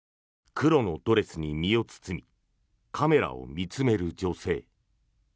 黒のドレスに身を包みカメラを見つめる女性。